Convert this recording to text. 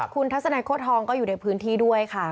คุณทัศนัยโค้ทองก็อยู่ในพื้นที่ด้วยค่ะ